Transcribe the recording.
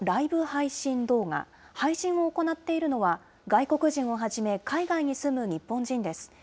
配信を行っているのは、外国人をはじめ、海外に住む日本人です。